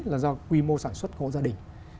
là do quy mô sản xuất của gia đình